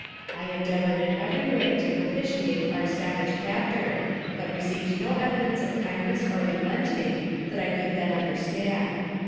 I endeavored in every way to propitiate our savage captor, but received no evidences of kindness or relent ing that I could then understand.